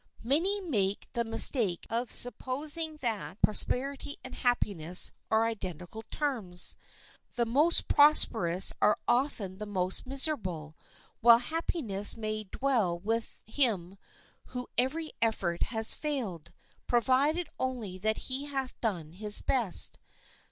Many make the mistake of supposing that prosperity and happiness are identical terms. The most prosperous are often the most miserable, while happiness may dwell with him whose every effort has failed, provided only that he hath done his best.